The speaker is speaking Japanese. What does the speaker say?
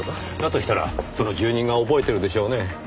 としたらその住人が覚えてるでしょうね。